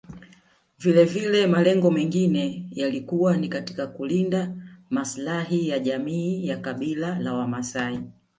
Vilevile malengo mengine yalikuwa ni katika kulinda maslahi ya jamii ya kabila la wamaasai